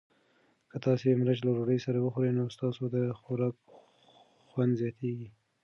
که تاسي مرچ له ډوډۍ سره وخورئ نو ستاسو د خوراک خوند زیاتیږي.